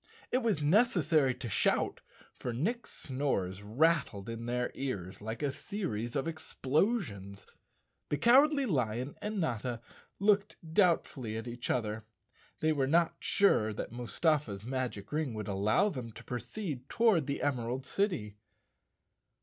It was neces sary to shout, for Nick's snores rattled in their ears like a series of explosions. The Cowardly Lion and Notta looked doubtfully at each other. They were not sure that Mustafa's magic ring would allow them to proceed toward the Emerald City.